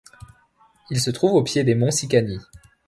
Il se trouve au pied des monts Sicani.